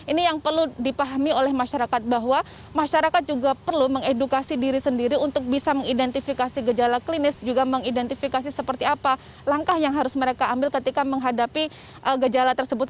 ini yang perlu dipahami oleh masyarakat bahwa masyarakat juga perlu mengedukasi diri sendiri untuk bisa mengidentifikasi gejala klinis juga mengidentifikasi seperti apa langkah yang harus mereka ambil ketika menghadapi gejala tersebut